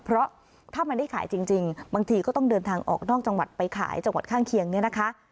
เพราะถ้ามันได้ขายจริงบางทีก็ต้องเดินทางออกนอกจังหวัดไปขายจังหวัดข้างเคียงเนี่ยนะคะ